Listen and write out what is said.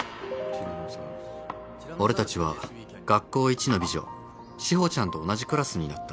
俺たちは学校一の美女志保ちゃんと同じクラスになった。